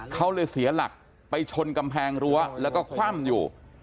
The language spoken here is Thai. เขาเลยเสียหลักไปชนกำแพงรั้วแล้วก็คว่ำอยู่